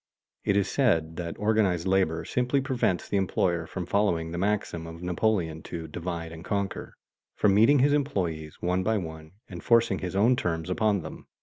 It is said that organized labor simply prevents the employer from following the maxim of Napoleon to "divide and conquer," from meeting his employees one by one and forcing his own terms upon them.